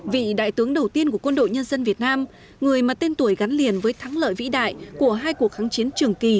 vị đại tướng đầu tiên của quân đội nhân dân việt nam người mà tên tuổi gắn liền với thắng lợi vĩ đại của hai cuộc kháng chiến trường kỳ